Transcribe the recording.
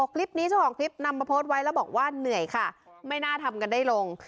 คลิปนี้เจ้าของคลิปนำมาโพสต์ไว้แล้วบอกว่าเหนื่อยค่ะไม่น่าทำกันได้ลง